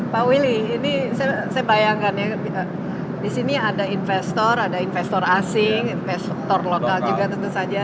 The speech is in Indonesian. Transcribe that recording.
pak willy ini saya bayangkan ya di sini ada investor ada investor asing investor lokal juga tentu saja